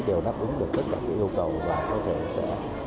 đều đáp ứng được tất cả yêu cầu và có thể sẽ